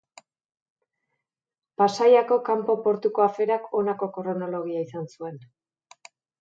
Pasaiako kanpo portuko aferak honako kronologia izan zuen.